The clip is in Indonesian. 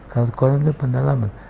kalau koran itu pendalaman